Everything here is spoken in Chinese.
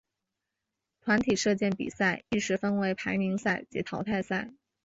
团体射箭比赛亦是分为排名赛及淘汰赛。